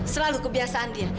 selalu kebiasaan dia